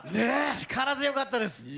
力強かったです。